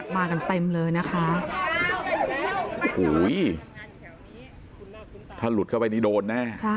มากันเต็มเลยนะคะโอ้โหถ้าหลุดเข้าไปนี่โดนแน่